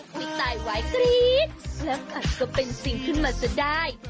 มิสไตล์ไว้กรี๊ดและมันก็เป็นสิ่งขึ้นมาจะได้